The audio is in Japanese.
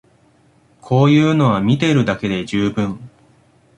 こういうのは見てるだけで充分